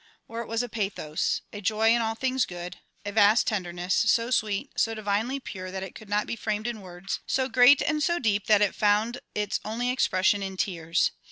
Or it was a pathos, a joy in all things good, a vast tenderness, so sweet, so divinely pure that it could not be framed in words, so great and so deep that it found its only expression in tears.